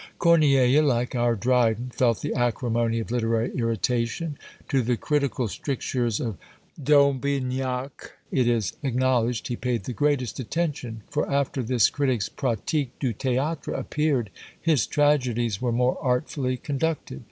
Corneille, like our Dryden, felt the acrimony of literary irritation. To the critical strictures of D'Aubignac it is acknowledged he paid the greatest attention, for, after this critic's Pratique du Théâtre appeared, his tragedies were more artfully conducted.